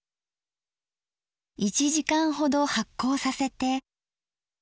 １時間ほど発酵させて。